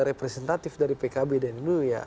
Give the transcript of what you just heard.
representatif dari pkb dan dulu ya